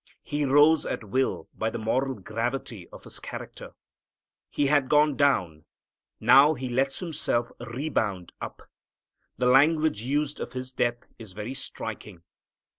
He rose at will by the moral gravity of His character. He had gone down, now He lets Himself rebound up. The language used of His death is very striking.